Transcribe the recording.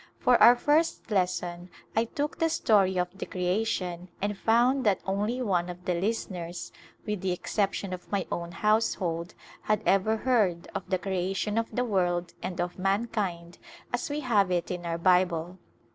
For our first lesson I took the story of the Creation and found that only one of the listeners — with the exception of my own household — had ever heard of the creation of the world and of mankind as we have it in our Bible.